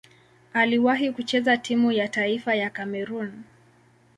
Aliwahi kucheza timu ya taifa ya Kamerun.